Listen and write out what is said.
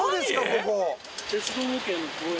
ここ。